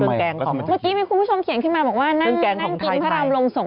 เมื่อกี้มีคุณผู้ชมเขียนขึ้นมาบอกว่านั่งนั่งกินพระรามลงสงฆ